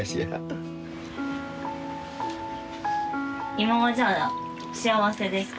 今はじゃあ幸せですか？